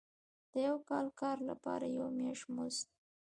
د یو کال کار لپاره یو میاشت مزد.